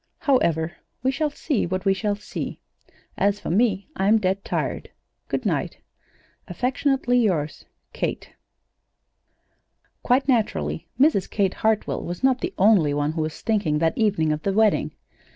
"However, we shall see what we shall see. As for me, I'm dead tired. Good night. "Affectionately yours, "KATE." Quite naturally, Mrs. Kate Hartwell was not the only one who was thinking that evening of the wedding.